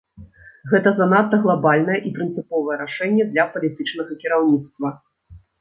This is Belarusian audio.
Гэта занадта глабальнае і прынцыповае рашэнне для палітычнага кіраўніцтва.